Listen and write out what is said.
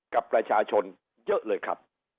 กับประชาชนเยอะเลยครับ